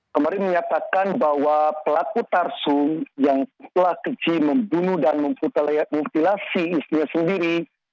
kemarin menyatakan bahwa pelaku tarsum yang telah kecil membunuh dan mutilasi istrinya sendiri